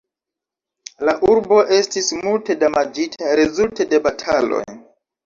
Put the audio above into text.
La urbo estis multe damaĝita rezulte de bataloj.